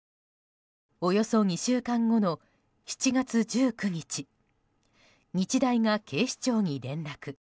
およそ２週間後の７月１９日日大が警視庁に連絡。